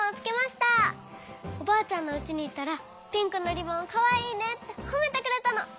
おばあちゃんのうちにいったらピンクのリボンかわいいねってほめてくれたの。